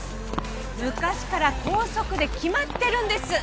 昔から校則で決まってるんです！